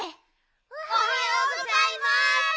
おはようございます！